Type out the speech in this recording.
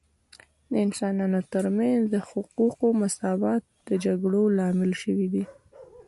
د انسانانو ترمنځ د حقوقو مساوات د جګړو لامل سوی دی